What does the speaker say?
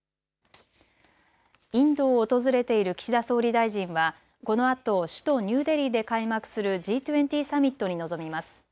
インドを訪れている岸田総理大臣はこのあと首都ニューデリーで開幕するＧ２０サミットに臨みます。